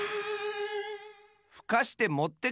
ふかしてもってくるって。